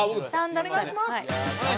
お願いします！